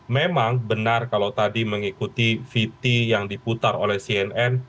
memang benar kalau tadi mengikuti vt yang diputar oleh cnn